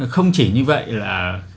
không chỉ như vậy là